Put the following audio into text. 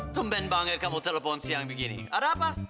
tumben banget kamu telepon siang begini ada apa